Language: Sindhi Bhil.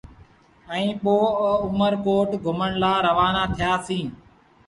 ائيٚݩ پو اُمر ڪوٽ گھمڻ لآ روآنآ ٿيٚآسيٚݩ۔